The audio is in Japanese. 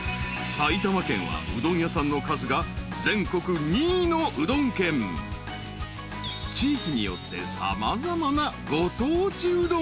［埼玉県はうどん屋さんの数が全国２位のうどん県］［地域によって］